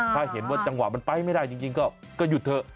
ถ้าเห็นว่าจังหวะมันไปไม่ได้จริงก็หยุดเถอะ